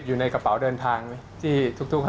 อยู่ในกระเป๋าเดินทางไหมที่ทุกครั้ง